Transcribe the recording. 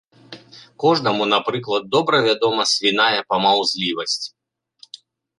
Кожнаму, напрыклад, добра вядома свіная памаўзлівасць.